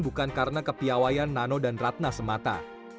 bukan karena kepiawaian nano dan ratna semata